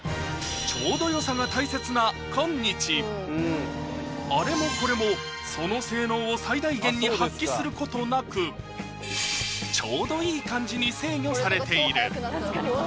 ちょうど良さが大切な今日あれもこれもその性能を最大限に発揮することなくちょうどいい感じに制御されている